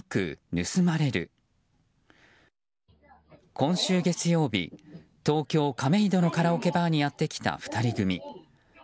今週月曜日、東京・亀戸のカラオケバーにやってきた２人組。